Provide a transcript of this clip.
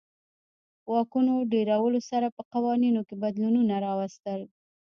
واکونو ډېرولو سره په قوانینو کې بدلونونه راوستل.